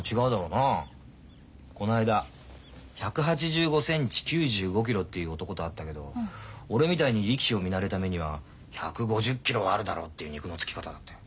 こないだ１８５センチ９５キロっていう男と会ったけど俺みたいに力士を見慣れた目には１５０キロはあるだろうっていう肉のつき方だったよ。